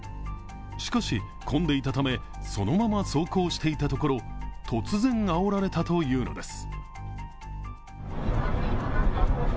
しかし、混んでいたため、そのまま走行していたところ、突然あおられたというのです。